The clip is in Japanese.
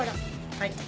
はい。